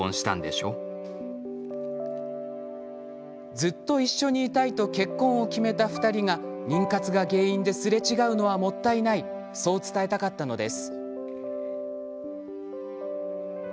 ずっと一緒にいたいと結婚を決めた２人が妊活が原因ですれ違うのはもったいないそう伝えたかったのです。